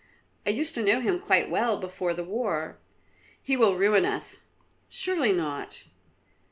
I used to know him quite well before the war." "He will ruin us." "Surely not."